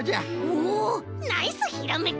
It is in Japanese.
おおナイスひらめき！